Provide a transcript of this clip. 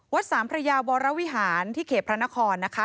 สามพระยาวรวิหารที่เขตพระนครนะคะ